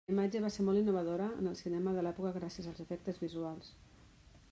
La imatge va ser molt innovadora en el cinema de l’època gràcies als efectes visuals.